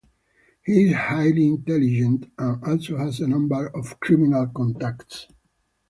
He is highly intelligent and also has a number of criminal contacts.